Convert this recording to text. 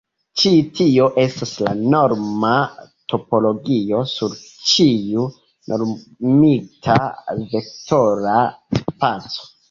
Ĉi tio estas la norma topologio sur ĉiu normigita vektora spaco.